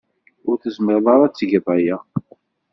Ur tezmired ara ad tged aya.